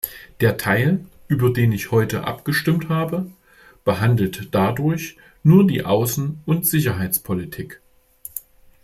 Der Teil, über den ich heute abgestimmt habe, behandelt dadurch nur die Außen- und Sicherheitspolitik.